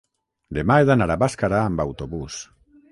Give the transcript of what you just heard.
demà he d'anar a Bàscara amb autobús.